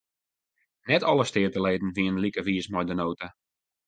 Net alle steateleden wienen like wiis mei de nota.